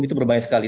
itu berbahaya sekali